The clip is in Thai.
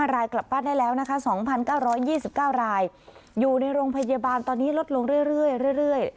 รายกลับบ้านได้แล้วนะคะ๒๙๒๙รายอยู่ในโรงพยาบาลตอนนี้ลดลงเรื่อย